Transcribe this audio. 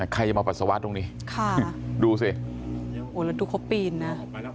ใครจะมาปัสสาวะตรงนี้ค่ะดูสิโหแล้วทุกคนปีนนะ